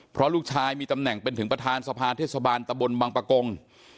เพราะลูกชายมีตำแหน่งเป็นถึงประธานสภาเทศบาลตะบนบังปะกง